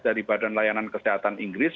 dari badan layanan kesehatan inggris